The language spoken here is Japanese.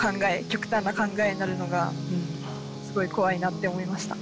極端な考えになるのがすごい怖いなって思いました。